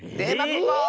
ここ！